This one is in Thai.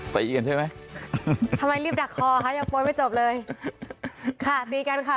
เอียนใช่ไหมทำไมรีบดักคอคะยังปวนไม่จบเลยค่ะตีกันค่ะ